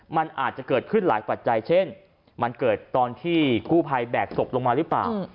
มันอาจจะเกิดขึ้นหลายปัจจัยเช่นมันเกิดตอนที่กู้ภัยแบกศพลงมาหรือเปล่า